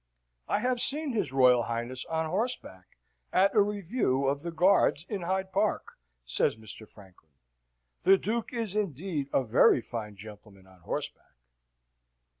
"I have seen his Royal Highness on horseback, at a review of the Guards, in Hyde Park," says Mr. Franklin. "The Duke is indeed a very fine gentleman on horseback."